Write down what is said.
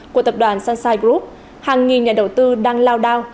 của tập đoàn sunshin group hàng nghìn nhà đầu tư đang lao đao